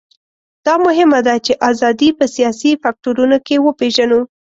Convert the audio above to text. دا مهمه ده چې ازادي په سیاسي فکټورونو کې وپېژنو.